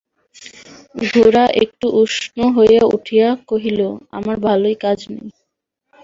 গোরা একটু উষ্ণ হইয়া উঠিয়া কহিল, আমার ভালোয় কাজ নেই।